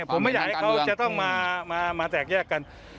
ผมไม่อยากให้เขาจะต้องมาแตกแยกกัน